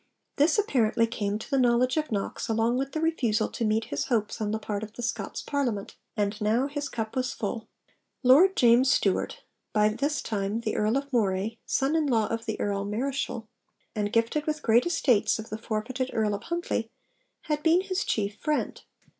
This apparently came to the knowledge of Knox along with the refusal to meet his hopes on the part of the Scots Parliament; and now his cup was full. Lord James Stewart, by this time the Earl of Moray, son in law of the Earl Marischal, and gifted with great estates of the forfeited Earl of Huntly, had been his chief friend.